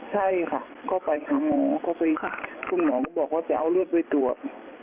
ใช่ค่ะก็ไปหาหมอก็ไปหาคุณหมอก็บอกว่าจะเอาเลือดไปตรวจ